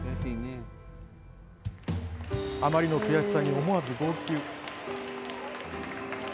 あまりの悔しさに思わず号泣。